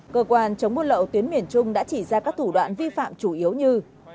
cơ quan chống buôn lậu tuyến miền trung đã chỉ ra các thủ đoạn vi phạm chủ yếu như